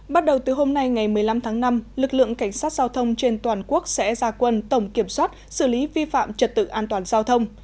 bắt đầu từ hôm nay ngày một mươi năm tháng năm lực lượng cảnh sát giao thông trên toàn quốc sẽ ra quân tổng kiểm soát xử lý vi phạm trật tự an toàn giao thông